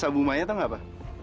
sambu maya tau gak apa